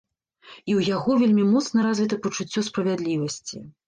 І ў яго вельмі моцна развіта пачуццё справядлівасці.